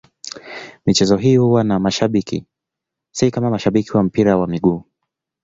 Michezo hii huwa na mashabiki, si kama mashabiki wa mpira wa miguu.